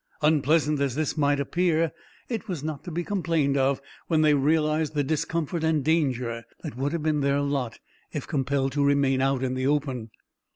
Unpleasant as this might appear, it was not to be complained of when they realized the discomfort and danger that would have been their lot if compelled to remain out in the open.